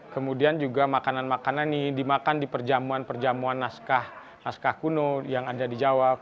kemudian juga makanan makanan ini dimakan di perjamuan perjamuan naskah kuno yang ada di jawa